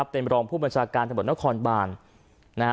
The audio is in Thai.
เป็นรองผู้บัญชาการทะบดนครบาน